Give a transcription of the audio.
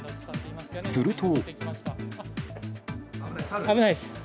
すると。